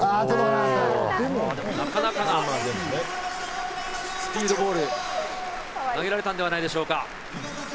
なかなかスピードボールを投げられたんではないでしょうか。